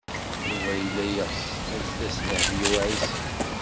Yuba yella yeɣs ad d-tas Dehbiya u Ɛisiw.